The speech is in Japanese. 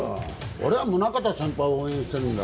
俺は宗形先輩を応援してるんだ。